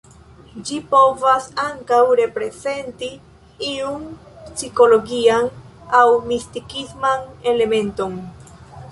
Ĝi povas ankaŭ reprezenti iun psikologian aŭ mistikisman elementon.